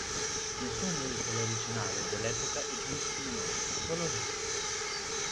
Nessun veicolo originale dell'epoca è giunto fino a noi; solo repliche.